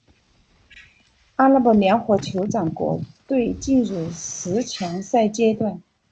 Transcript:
阿拉伯联合酋长国队进入十强赛阶段。